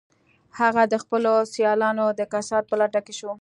هغه د خپلو سیالانو د کسات په لټه کې شو